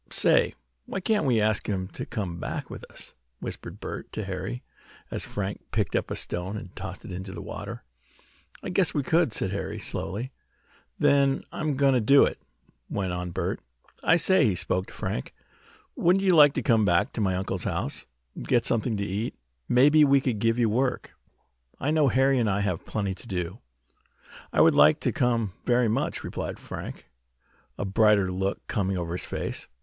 "Say, why can't we ask him to come back with us?" whispered Bert to Harry, as Frank picked up a stone and tossed it into the water. "I guess we could," said Harry, slowly. "Then I'm going to do it," went on Bert. "I say," he spoke to Frank, "wouldn't you like to come back to my uncle's house, and get something to eat? Maybe he could give you work. I know Harry and I have plenty to do." "I would like to come, very much," replied Frank, a brighter look coming over his face.